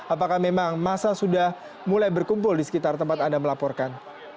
apakah memang masa sudah mulai berkumpul di sekitar tempat anda melaporkan